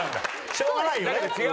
しょうがないよ。